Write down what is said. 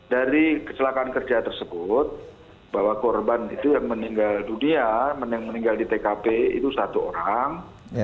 dari kecelakaan kerja tersebut bahwa korban itu yang meninggal dunia yang meninggal di tkp itu satu orang